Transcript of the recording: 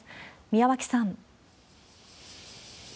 宮脇さん。